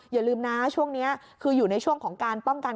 อย่าลืมนะช่วงนี้คืออยู่ในช่วงของการป้องกัน